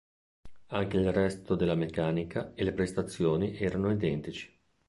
Anche il resto della meccanica e le prestazioni erano identici.